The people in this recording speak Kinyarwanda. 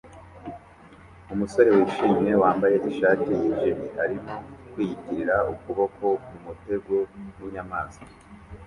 Umusore wishimye wambaye ishati yijimye arimo kwiyitirira ukuboko mumutego winyamaswa